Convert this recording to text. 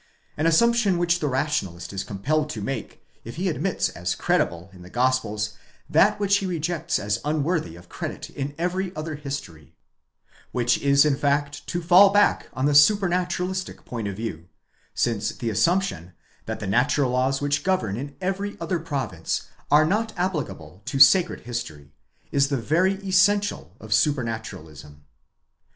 —An assumption which the Rationalist is compelled to make, if he admits as credible in the Gospels that which he rejects as unworthy of credit in every other history—which is in fact to fall back on the supranaturalistic point of view, since the assumption, that the natural laws which govern in every other province are not applicable to sacred history, is the very essential of supranaturalism.